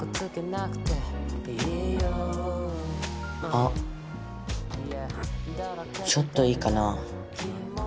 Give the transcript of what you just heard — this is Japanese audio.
あっちょっといいかな？